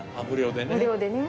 無料でね。